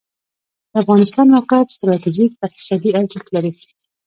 د افغانستان موقعیت ستراتیژیک اقتصادي ارزښت لري